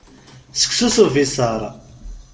Seksu s ubiṣar.